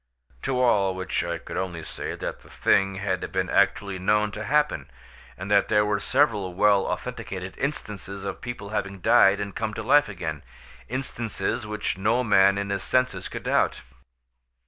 To all which I could only say that the thing had been actually known to happen, and that there were several well authenticated instances of people having died and come to life again—instances which no man in his senses could doubt.